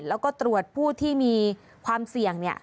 แล้วก็ตรวจผู้ที่มีความเสี่ยง